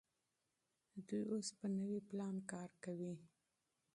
دوی اوس په نوي پلان کار کوي.